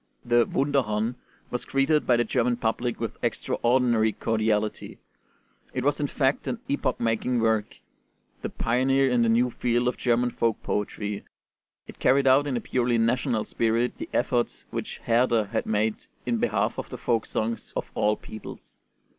The 'Wunderhorn' was greeted by the German public with extraordinary cordiality. It was in fact an epoch making work, the pioneer in the new field of German folk poetry. It carried out in a purely national spirit the efforts which Herder had made in behalf of the folk songs of all peoples.